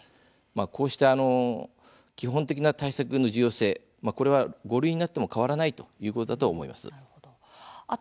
こうした基本的な対策の重要性これは５類になっても変わらないということだと思います。